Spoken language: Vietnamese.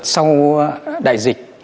sau đại dịch